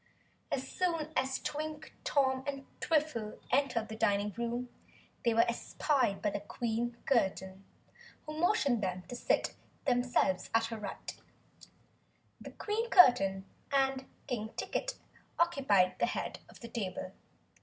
As soon as Twink, Tom, and Twiffle entered the dining room, they were espied by Queen Curtain who motioned them to seat themselves at her right. Queen Curtain and King Ticket occupied the head of the table.